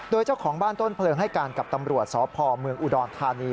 โดยเจ้าของบ้านต้นเพลิงให้การกับตำรวจสพเมืองอุดรธานี